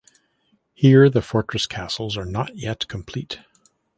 Here the Fortress castles are not yet complete.